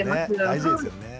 大事ですよね。